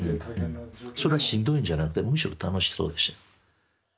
それはしんどいんじゃなくてむしろ楽しそうでしたよ。